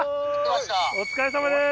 お疲れさまです。